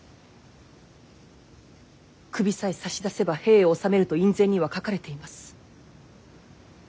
首さえ差し出せば兵を収めると院宣には書かれています。